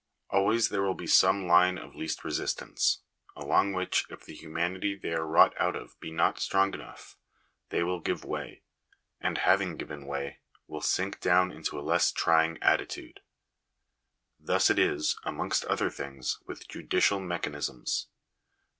Always there will be some line of least resistance, along which, if the humanity they are wrought out of be not strong enough, they will give way ; and having given way, will sink down into a less trying attitude. Thus it is, amongst other things, with judicial mechanisms.